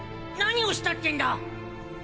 何をしたってんだ？